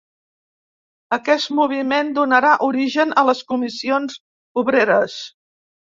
Aquest moviment donarà origen a les Comissions Obreres.